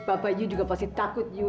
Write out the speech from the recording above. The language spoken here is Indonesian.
bapak you juga pasti takut you